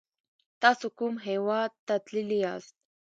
تاسو کوم هیواد ته تللی یاست؟